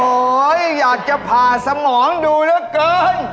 โอ้โฮอยากจะพาสมองดูแล้วเกิน